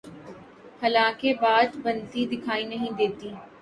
حالانکہ بات بنتی دکھائی نہیں دیتی۔